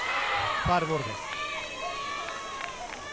ファウルボールです。